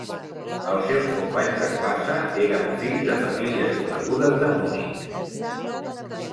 Els seus companys de classe eren fills de famílies conegudes de Munic.